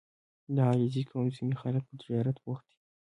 • د علیزي قوم ځینې خلک په تجارت بوخت دي.